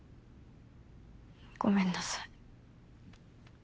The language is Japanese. ごめんなさい。